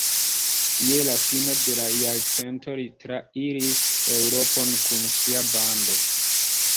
Je la fino de la jarcento li trairis Eŭropon kun sia bando.